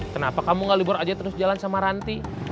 kenapa kamu gak libur aja terus jalan sama ranti